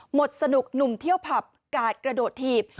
หมดสนุกหนุ่มเที่ยวผับกาดกระโดดถีบ